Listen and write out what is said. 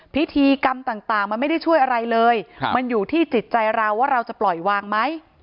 พิธีกรรมต่างมันไม่ได้ช่วยอะไรเลยมันอยู่ที่จิตใจเราว่าเราจะปล่อยวางไหม